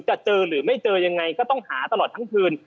จะเจอหรือไม่เจอยังไงก็ต้องหาตลอดทั้งคืน